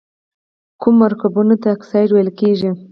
کومو مرکبونو ته اکساید ویل کیږي؟